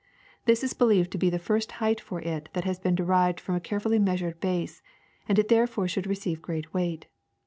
This is believed to be the first height for it that has been derived from a carefully measured base, and it therefore should receive great weight.